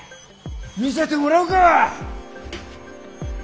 見せてもらおうか。